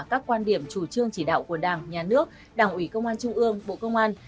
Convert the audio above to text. các quan điểm chủ trương chỉ đạo của đảng nhà nước đảng ủy công an trung ương bộ công an